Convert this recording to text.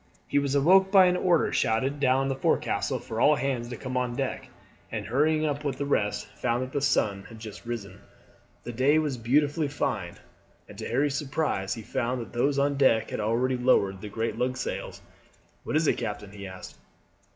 He was awoke by an order shouted down the forecastle for all hands to come on deck; and hurrying up with the rest found that the sun had just risen. The day was beautifully fine, and to Harry's surprise he found that those on deck had already lowered the great lugsails. "What is it, captain?" he asked.